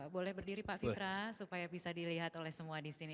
boleh berdiri pak fitra supaya bisa dilihat oleh semua di sini